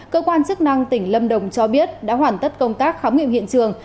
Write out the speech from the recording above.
cơ quan chức năng tỉnh lâm đồng cho biết đã hoàn tất công tác khám nghiệm hiện trường